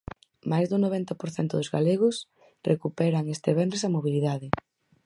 Máis do noventa por cento dos galegos recuperan este venres a mobilidade.